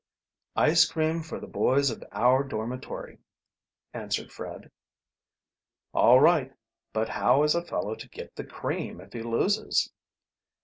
"Ice cream for the boys of our dormitory," answered Fred. "All right, but how is a fellow to get the cream if he loses?"